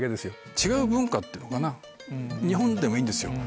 違う文化っていうのかな日本でもいいんですよ。